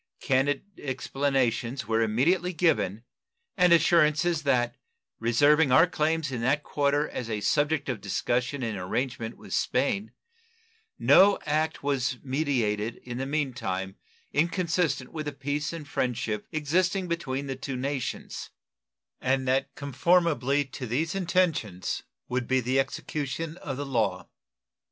Candid explanations were immediately given and assurances that, reserving our claims in that quarter as a subject of discussion and arrangement with Spain, no act was meditated in the mean time inconsistent with the peace and friendship existing between the two nations, and that conformably to these intentions would be the execution of the law.